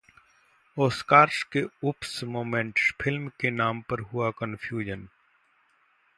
Oscars के Oops moments, film के नाम पर हुआ कंफ्यूजन